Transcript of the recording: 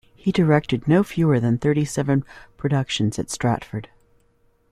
He directed no fewer than thirty seven productions at Stratford.